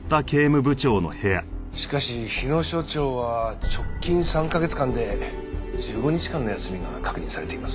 しかし日野所長は直近３カ月間で１５日間の休みが確認されています。